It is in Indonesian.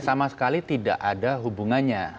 sama sekali tidak ada hubungannya